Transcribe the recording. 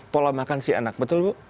pola makan si anak betul bu